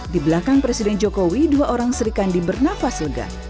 di belakang presiden jokowi dua orang serikandi bernafas lega